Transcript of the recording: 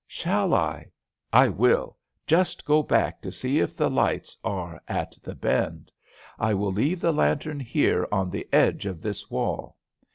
Shall I I will just go back to see if the lights are at the bend. I will leave the lantern here on the edge of this wall!"